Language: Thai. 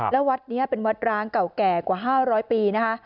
แล้ววัดนี้เป็นวัดร้างเก่าแก่กว่า๕๐๐ปีนะคะ